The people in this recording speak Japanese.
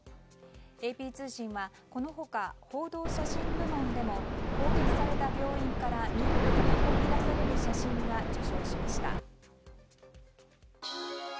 ＡＰ通信は、この他報道写真部門でも攻撃された病院から妊婦が運び出される写真が受賞しました。